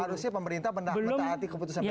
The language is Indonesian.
harusnya pemerintah mendaati keputusan pt un ya